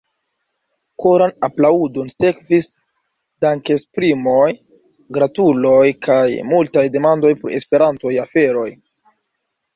Koran aplaŭdon sekvis dankesprimoj, gratuloj kaj multaj demandoj pri Esperantaj aferoj.